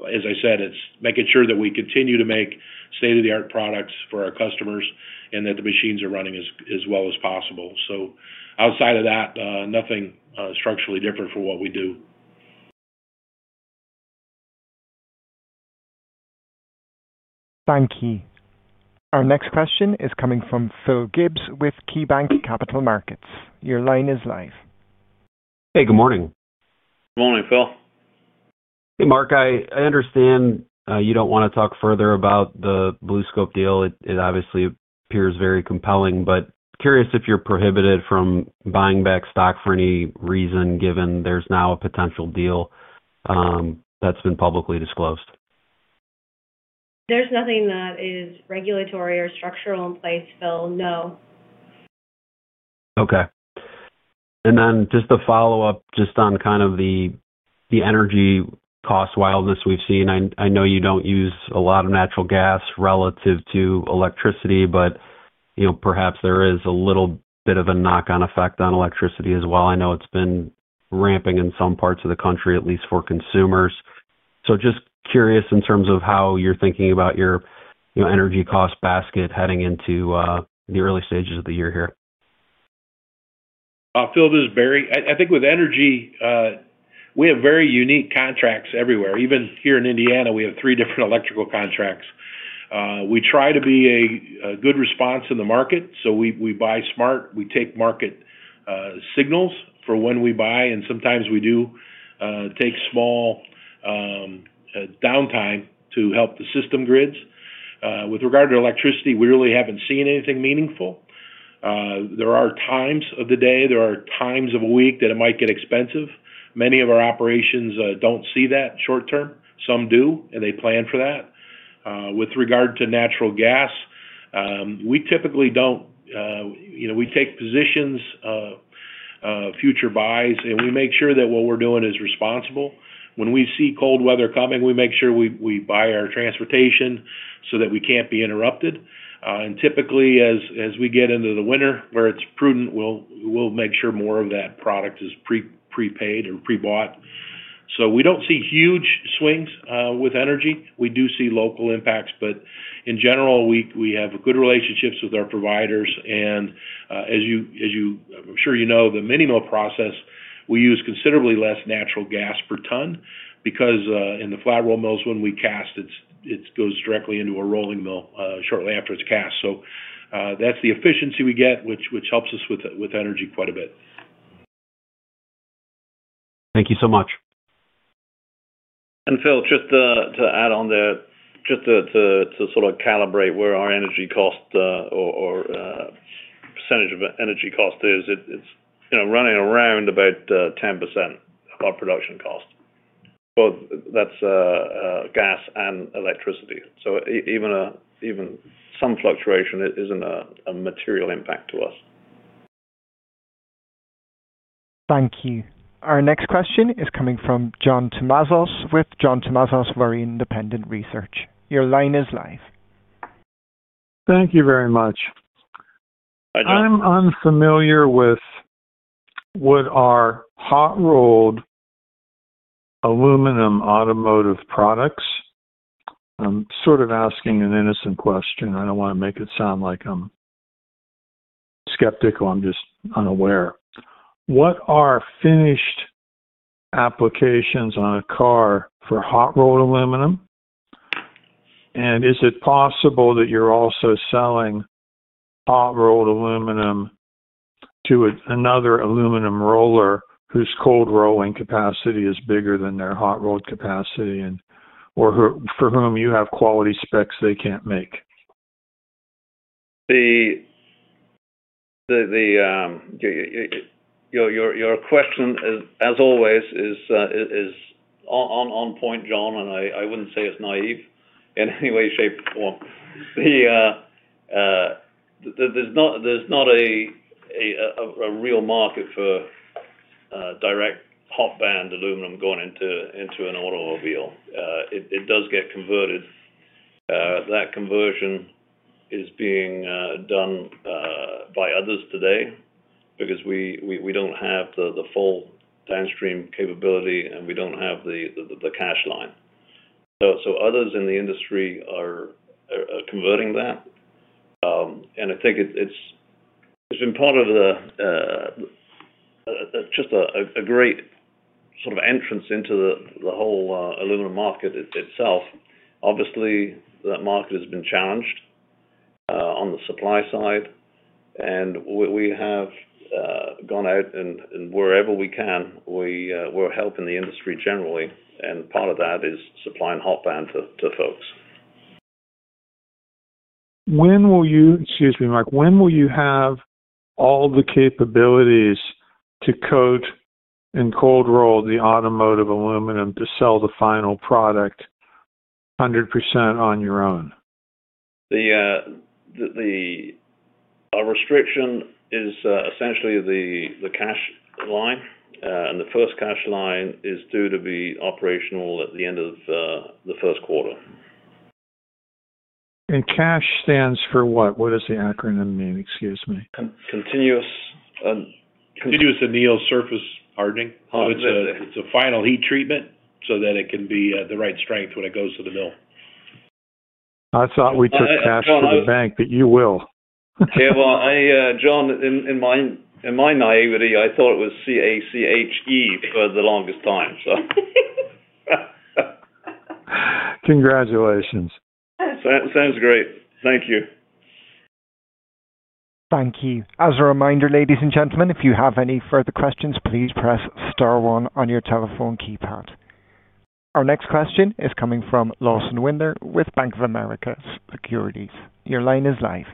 as I said, it's making sure that we continue to make state-of-the-art products for our customers and that the machines are running as well as possible. So outside of that, nothing structurally different for what we do. Thank you. Our next question is coming from Phil Gibbs with KeyBanc Capital Markets. Your line is live. Hey, good morning. Good morning, Phil. Hey, Mark. I understand you don't want to talk further about the BlueScope deal. It obviously appears very compelling, but curious if you're prohibited from buying back stock for any reason, given there's now a potential deal that's been publicly disclosed. There's nothing that is regulatory or structural in place, Phil. No. Okay. And then just a follow-up, just on kind of the energy cost wildness we've seen. I know you don't use a lot of natural gas relative to electricity, but perhaps there is a little bit of a knock-on effect on electricity as well. I know it's been ramping in some parts of the country, at least for consumers. So just curious in terms of how you're thinking about your energy cost basket heading into the early stages of the year here. Phil this is Barry. I think with energy, we have very unique contracts everywhere. Even here in Indiana, we have three different electrical contracts. We try to be a good response in the market. So we buy smart. We take market signals for when we buy. And sometimes we do take small downtime to help the system grids. With regard to electricity, we really haven't seen anything meaningful. There are times of the day. There are times of the week that it might get expensive. Many of our operations don't see that short term. Some do, and they plan for that. With regard to natural gas, we typically don't. We take positions, future buys, and we make sure that what we're doing is responsible. When we see cold weather coming, we make sure we buy our transportation so that we can't be interrupted. And typically, as we get into the winter, where it's prudent, we'll make sure more of that product is prepaid or pre-bought. So we don't see huge swings with energy. We do see local impacts. But in general, we have good relationships with our providers. And as you're sure you know, the mini mill process, we use considerably less natural gas per ton because in the flat roll mills, when we cast, it goes directly into a rolling mill shortly after it's cast. So that's the efficiency we get, which helps us with energy quite a bit. Thank you so much. And Phil, just to add on there, just to sort of calibrate where our energy cost or percentage of energy cost is, it's running around about 10% of our production cost. Both, that's gas and electricity. So even some fluctuation isn't a material impact to us. Thank you. Our next question is coming from John Tumazos with John Tumazos Very Independent Research. Your line is live. Thank you very much. I'm unfamiliar with what are hot rolled aluminum automotive products. I'm sort of asking an innocent question. I don't want to make it sound like I'm skeptical. I'm just unaware. What are finished applications on a car for hot rolled aluminum? And is it possible that you're also selling hot rolled aluminum to another aluminum roller whose cold rolling capacity is bigger than their hot rolled capacity and for whom you have quality specs they can't make? Your question, as always, is on point, John. And I wouldn't say it's naive in any way, shape, or form. There's not a real market for direct hot-band aluminum going into an automobile. It does get converted. That conversion is being done by others today because we don't have the full downstream capability, and we don't have the CASH line. So others in the industry are converting that. And I think it's been part of just a great sort of entrance into the whole aluminum market itself. Obviously, that market has been challenged on the supply side. And we have gone out, and wherever we can, we're helping the industry generally. And part of that is supplying hot band to folks. When will you—excuse me, Mark—when will you have all the capabilities to coat and cold roll the automotive aluminum to sell the final product 100% on your own? The restriction is essentially the CASH line. And the first CASH line is due to be operational at the end of the first quarter. And CASH stands for what? What does the acronym mean? Excuse me. Continuous Anneal Surface Hardening. It's a final heat treatment so that it can be the right strength when it goes to the mill. I thought we took cash for the bank, but you will. Yeah. Well, John, in my naivety, I thought it was C-A-C-H-E for the longest time, so. Congratulations. Sounds great. Thank you. Thank you. As a reminder, ladies and gentlemen, if you have any further questions, please press star one on your telephone keypad. Our next question is coming from Lawson Winder with Bank of America Securities. Your line is live.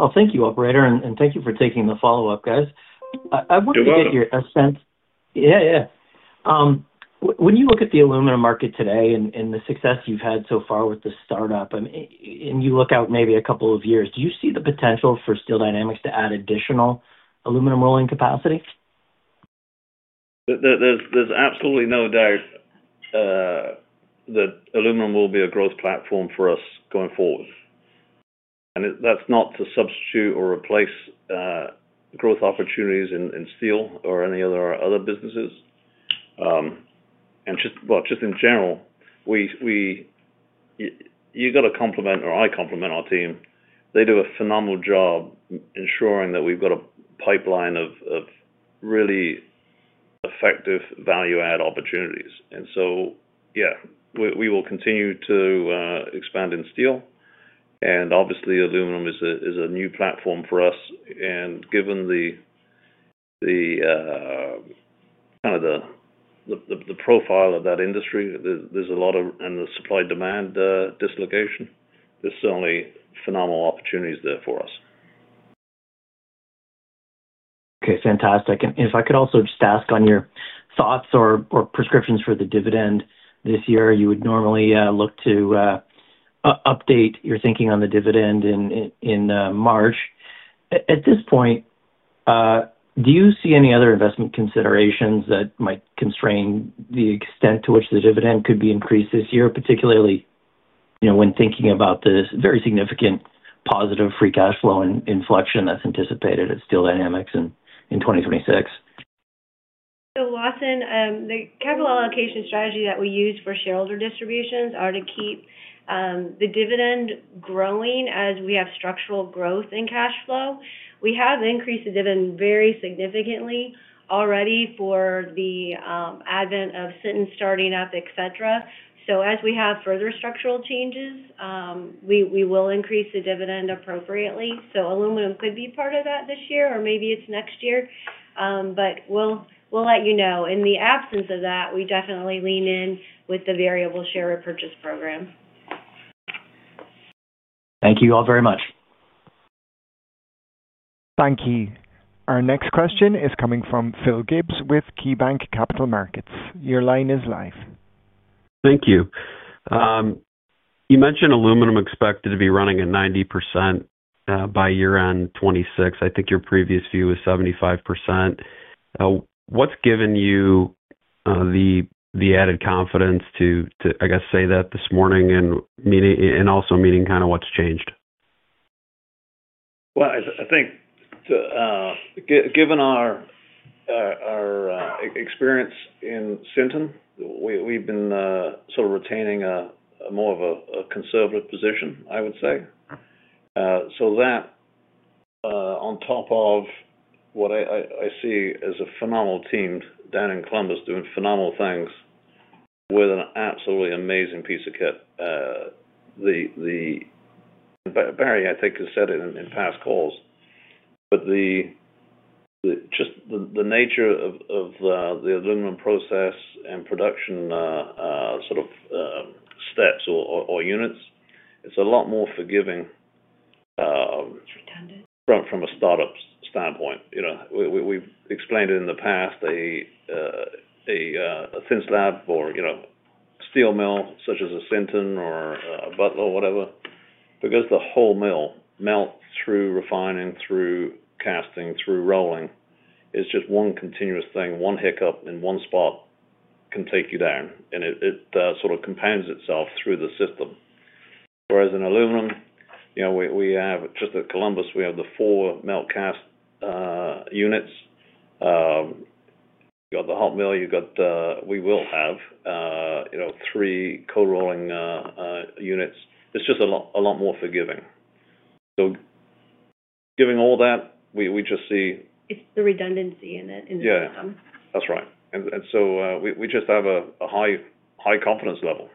Oh, thank you, operator. And thank you for taking the follow-up, guys. I want to get your assent. Yeah, yeah. When you look at the aluminum market today and the success you've had so far with the startup, and you look out maybe a couple of years, do you see the potential for Steel Dynamics to add additional aluminum rolling capacity? There's absolutely no doubt that aluminum will be a growth platform for us going forward. That's not to substitute or replace growth opportunities in steel or any of our other businesses. Just in general, you've got to compliment, or I compliment, our team. They do a phenomenal job ensuring that we've got a pipeline of really effective value-add opportunities. So, yeah, we will continue to expand in steel. Obviously, aluminum is a new platform for us. And given kind of the profile of that industry, there's a lot of, and the supply-demand dislocation, there's certainly phenomenal opportunities there for us. Okay. Fantastic. If I could also just ask on your thoughts or prescriptions for the dividend this year, you would normally look to update your thinking on the dividend in March. At this point, do you see any other investment considerations that might constrain the extent to which the dividend could be increased this year, particularly when thinking about the very significant positive free cash flow inflection that's anticipated at Steel Dynamics in 2026? So Lawson, the capital allocation strategy that we use for shareholder distributions is to keep the dividend growing as we have structural growth in cash flow. We have increased the dividend very significantly already for the advent of Sinton starting up, etc. So as we have further structural changes, we will increase the dividend appropriately. So aluminum could be part of that this year, or maybe it's next year. But we'll let you know. In the absence of that, we definitely lean in with the variable share repurchase program. Thank you all very much. Thank you. Our next question is coming from Phil Gibbs with KeyBanc Capital Markets. Your line is live. Thank you. You mentioned aluminum expected to be running at 90% by year-end 2026. I think your previous view was 75%. What's given you the added confidence to, I guess, say that this morning and also meaning kind of what's changed? Well, I think given our experience in Sinton, we've been sort of retaining more of a conservative position, I would say. So that on top of what I see as a phenomenal team down in Columbus doing phenomenal things with an absolutely amazing piece of kit. And Barry, I think, has said it in past calls. But just the nature of the aluminum process and production sort of steps or units, it's a lot more forgiving from a startup standpoint. We've explained it in the past. A thin slab or steel mill such as a Sinton or a Butler or whatever, because the whole mill melts through refining, through casting, through rolling, it's just one continuous thing. One hiccup in one spot can take you down. And it sort of compounds itself through the system. Whereas in aluminum, we have just at Columbus, we have the 4 melt-cast units. You've got the hot mill. You've got the—we will have 3 cold rolling units. It's just a lot more forgiving. So giving all that, we just see. It's the redundancy in it. Yeah. That's right. And so we just have a high confidence level.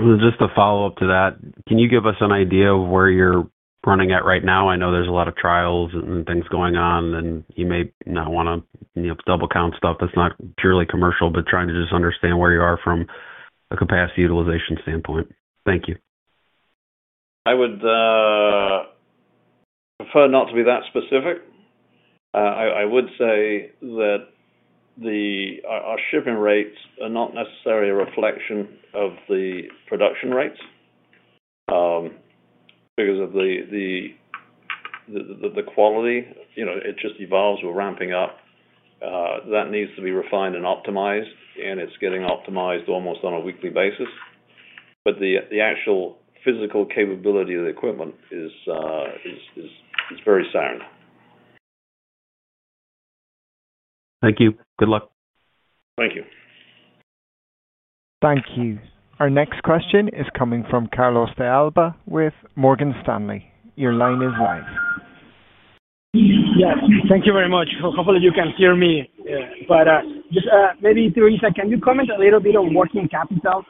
Just a follow-up to that. Can you give us an idea of where you're running at right now? I know there's a lot of trials and things going on, and you may not want to double-count stuff. It's not purely commercial, but trying to just understand where you are from a capacity utilization standpoint. Thank you. I would prefer not to be that specific. I would say that our shipping rates are not necessarily a reflection of the production rates because of the quality. It just evolves with ramping up. That needs to be refined and optimized. It's getting optimized almost on a weekly basis. The actual physical capability of the equipment is very sound. Thank you. Good luck. Thank you. Thank you. Our next question is coming from Carlos de Alba with Morgan Stanley. Your line is live. Yes. Thank you very much. Hopefully, you can hear me. But maybe, Theresa, can you comment a little bit on working capital?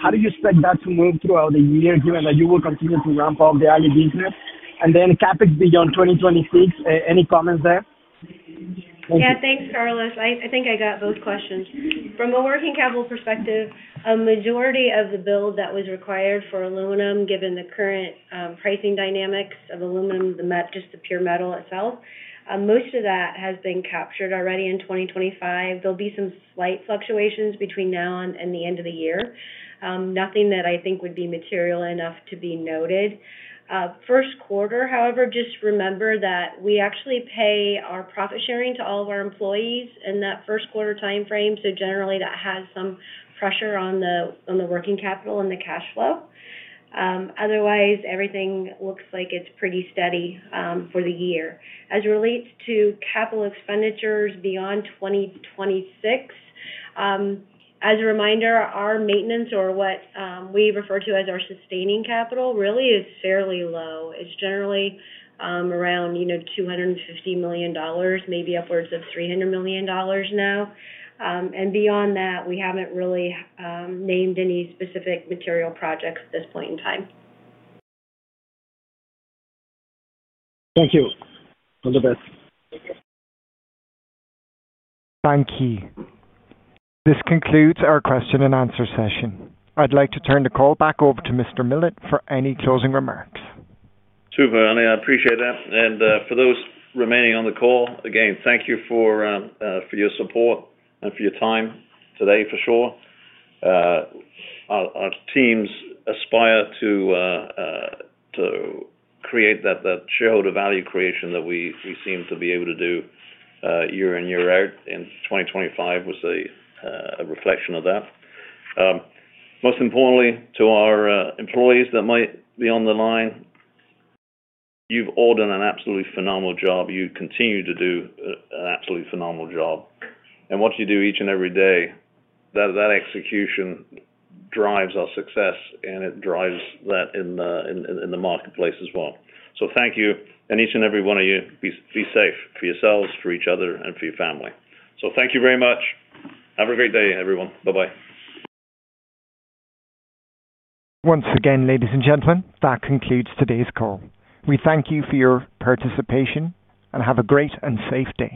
How do you expect that to move throughout the year given that you will continue to ramp up the aluminum business? And then CapEx beyond 2026, any comments there? Yeah. Thanks, Carlos. I think I got both questions. From a working capital perspective, a majority of the build that was required for aluminum, given the current pricing dynamics of aluminum, the metal, just the pure metal itself, most of that has been captured already in 2025. There'll be some slight fluctuations between now and the end of the year. Nothing that I think would be material enough to be noted. First quarter, however, just remember that we actually pay our profit sharing to all of our employees in that first quarter timeframe. So generally, that has some pressure on the working capital and the cash flow. Otherwise, everything looks like it's pretty steady for the year. As it relates to capital expenditures beyond 2026, as a reminder, our maintenance, or what we refer to as our sustaining capital, really is fairly low. It's generally around $250 million, maybe upwards of $300 million now. And beyond that, we haven't really named any specific material projects at this point in time. Thank you. All the best. Thank you. This concludes our question and answer session. I'd like to turn the call back over to Mr. Millett for any closing remarks. Super. I appreciate that. And for those remaining on the call, again, thank you for your support and for your time today, for sure. Our teams aspire to create that shareholder value creation that we seem to be able to do year in, year out. And 2025 was a reflection of that. Most importantly, to our employees that might be on the line, you've all done an absolutely phenomenal job. You continue to do an absolutely phenomenal job. What you do each and every day, that execution drives our success, and it drives that in the marketplace as well. Thank you. Each and every one of you, be safe for yourselves, for each other, and for your family. Thank you very much. Have a great day, everyone. Bye-bye. Once again, ladies and gentlemen, that concludes today's call. We thank you for your participation and have a great and safe day.